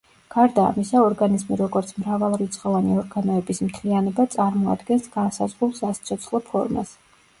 გარდა ამისა, ორგანიზმი როგორც მრავალრიცხოვანი ორგანოების მთლიანობა წარმოადგენს განსაზღვრულ სასიცოცხლო ფორმას.